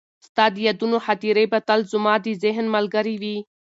ستا د یادونو خاطرې به تل زما د ذهن ملګرې وي.